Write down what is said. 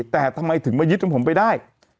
แต่ทำไมถึงมายึดของผมไปได้